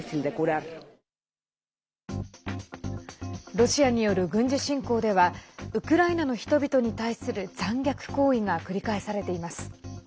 ロシアによる軍事侵攻ではウクライナの人々に対する残虐行為が繰り返されています。